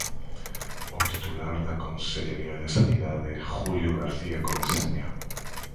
O titular da Consellaría de Sanidade, Julio García Comesaña.